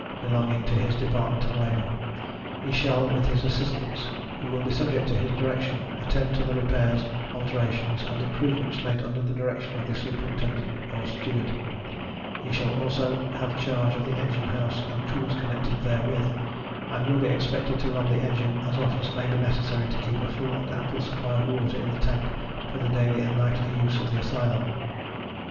belonging to his department of labor; he shall, with his Assistants, who will be subject to his direction, attend to the repairs, alterations, and improvements made under the direction of the Superintendent or Steward; he shall also have charge of the engine house, and tools connected therewith, and will be expected to run the engine as often as may be necessary to keep a full and ample supply of water in the tank for the daily and nightly use of the Asylum.